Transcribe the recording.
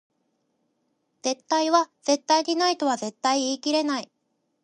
絶対は絶対にないとは絶対言い切れない